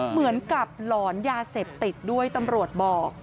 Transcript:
เหมือนกับหลอนยาเสพติดด้วยตำรวจบอก